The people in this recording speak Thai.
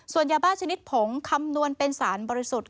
ส่วนยาบ้าชนิดผงคำนวณเป็นสารบริสุทธิ์